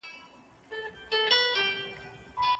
کډوال تل د خپل کور په ياد وي.